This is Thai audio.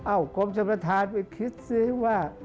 อ้าวกรมชมฐานไปคิดซิว่า